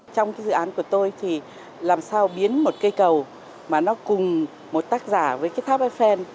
trong cái dự án của tôi thì làm sao biến một cây cầu mà nó cùng một tác giả với cái tháp eiffel